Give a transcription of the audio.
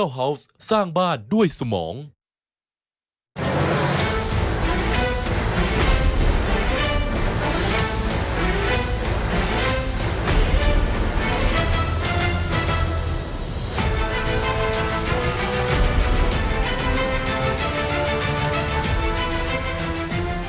ชูเวทตีแสดหน้า